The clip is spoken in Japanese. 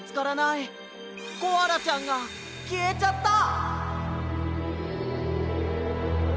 コアラちゃんがきえちゃった！